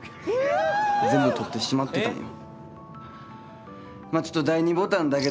全部取ってしまってたんよ。